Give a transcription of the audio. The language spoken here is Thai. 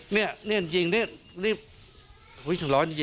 นี่จริงร้อนจริงลองจับนี่